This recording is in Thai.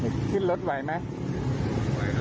ผมขึ้นรถไหวไหม